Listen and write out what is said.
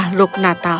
kami ingin mengejutkanmu